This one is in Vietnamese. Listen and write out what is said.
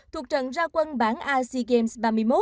thuộc trận ra quân bảng a sea games ba mươi một